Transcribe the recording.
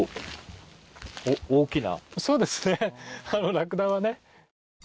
ラクダはね。